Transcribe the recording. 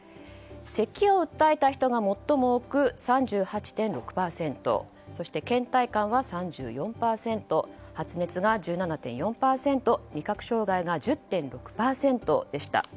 せきを訴えた人が最も多く３８．６％そして、倦怠感は３４％発熱が１７．４％味覚障害が１０．６％でした。